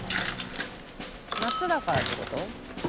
夏だからって事？